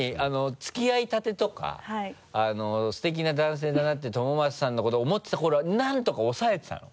付き合いたてとかすてきな男性だなって朝将さんのこと思ってたころはなんとか抑えてたの？